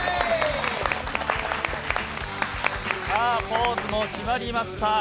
ポーズも決まりました。